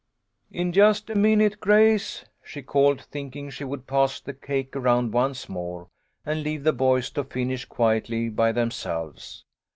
"In just a minute, Grace," she called, thinking she would pass the cake around once more, and leave the boys to finish quietly by themselves.